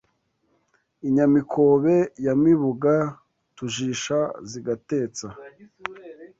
I Nyamikobe ya Mibuga Tujisha zigatetsa